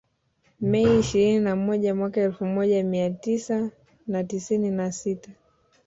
Mei ishirini na moja mwaka elfu moja mia tisa na tisini na sita